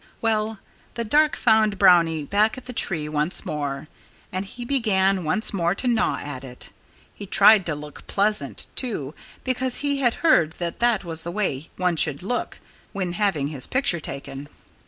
Well, the dark found Brownie back at the tree once more. And he began once more to gnaw at it. He tried to look pleasant, too, because he had heard that that was the way one should look when having his picture taken.